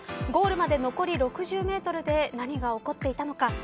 ゴールまで残り６０メートルで何が起こっていたのか。